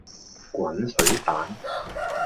滾水蛋